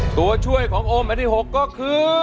ตัวช่วยของโอมอันที่๖ก็คือ